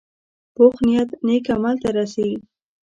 پوخ نیت نیک عمل ته رسي